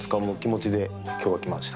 今日は来ました。